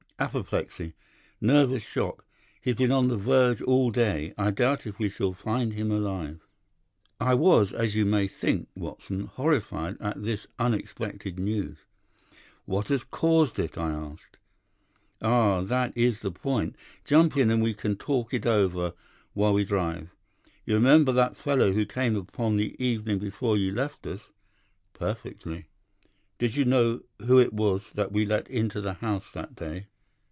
"'Apoplexy. Nervous shock, He's been on the verge all day. I doubt if we shall find him alive.' "I was, as you may think, Watson, horrified at this unexpected news. "'What has caused it?' I asked. "'Ah, that is the point. Jump in and we can talk it over while we drive. You remember that fellow who came upon the evening before you left us?' "'Perfectly.' "'Do you know who it was that we let into the house that day?